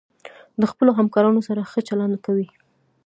د خپلو همکارانو سره ښه چلند کوئ.